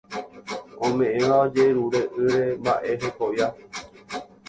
ome'ẽva ojejerure'ỹre mba'e hekovia